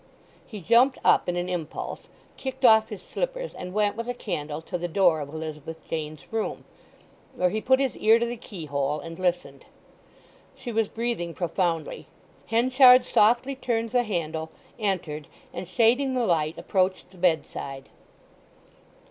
He jumped up in an impulse, kicked off his slippers, and went with a candle to the door of Elizabeth Jane's room, where he put his ear to the keyhole and listened. She was breathing profoundly. Henchard softly turned the handle, entered, and shading the light, approached the bedside.